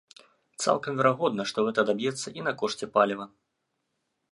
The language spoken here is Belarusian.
Цалкам верагодна, што гэта адаб'ецца і на кошце паліва.